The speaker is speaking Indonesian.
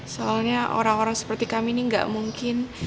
soalnya orang orang seperti kami ini nggak mungkin